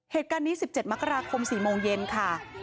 เหตุการณ์นี้๑๗มกราคม๔โมงเย็นค่ะ